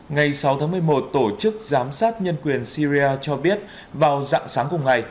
ngày sáu tháng một mươi một tổ chức giám sát nhân quyền syria cho biết vào dạng sáng cùng ngày